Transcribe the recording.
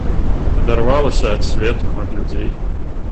Адарвалася ад свету, ад людзей.